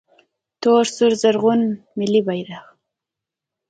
🇦🇫 تور سور زرغون ملي بیرغ